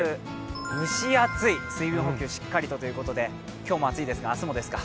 蒸し暑い、水分補給しっかりとということで、今日も暑いですが、明日もですか？